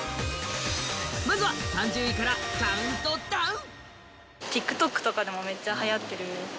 まずは３０位から、カウントダウン！